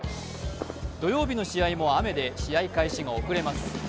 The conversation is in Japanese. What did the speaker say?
土曜日の試合も雨で試合開始が遅れます。